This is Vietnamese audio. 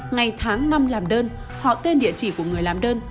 ngày tháng năm làm đơn họ tên địa chỉ của người làm đơn